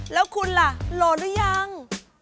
แล้วคุณล่ะโหลดหรือยัง